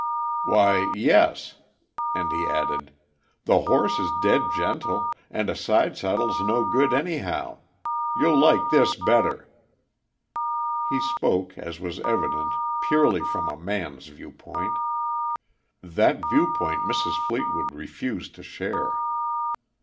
"Why, yes." And he added: "The horse is dead gentle and a sidesaddle's no good, anyhow. You'll like this better." He spoke, as was evident, purely from a man's viewpoint. That viewpoint Mrs. Fleetwood refused to share.